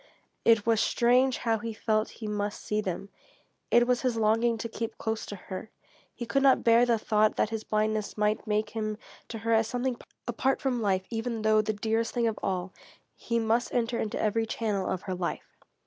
It was strange how he felt he must see them. It was his longing to keep close to her. He could not bear the thought that his blindness might make him to her as something apart from life, even though the dearest thing of all. He must enter into every channel of her life.